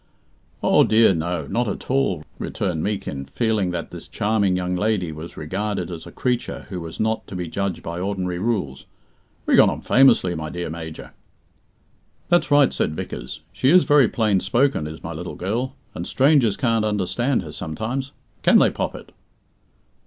"Oh, dear, no; not at all," returned Meekin, feeling that this charming young lady was regarded as a creature who was not to be judged by ordinary rules. "We got on famously, my dear Major." "That's right," said Vickers. "She is very plain spoken, is my little girl, and strangers can't understand her sometimes. Can they, Poppet?"